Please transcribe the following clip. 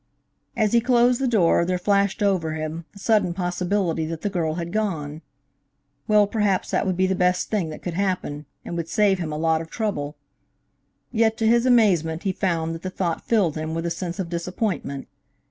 As he closed the door, there flashed over him, the sudden possibility that the girl had gone. Well, perhaps that would be the best thing that could happen and would save him a lot of trouble; yet to his amazement he found that the thought filled him with a sense of disappointment.